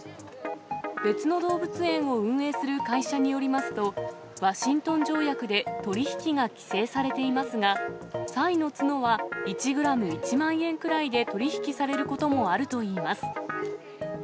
別の動物園を運営する会社によりますと、ワシントン条約で取り引きが規制されていますが、サイの角は１グラム１万円くらいで取り引きされることもあるといいます。